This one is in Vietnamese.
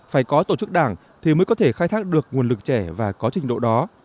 phải có tổ chức đảng thì mới có thể khai thác được nguồn lực trẻ và có trình độ đó